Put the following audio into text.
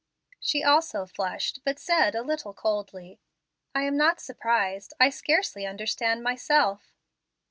She also flushed, but said a little coldly, "I am not surprised; I scarcely understand myself."